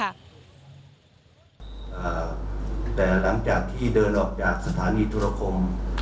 แต่หลังจากที่เดินออกจากสถานีธุรคม